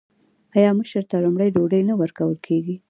آیا مشر ته لومړی ډوډۍ نه ورکول کیږي؟